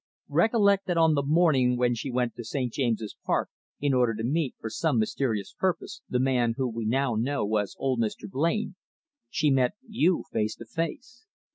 "Recollect that on the morning when she went to St. James's Park in order to meet, for some mysterious purpose, the man whom we now know was old Mr. Blain, she met you face to face.